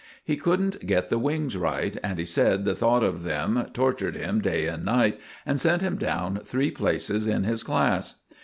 He couldn't get the wings right, and he said the thought of them tortured him day and night and sent him down three places in his class.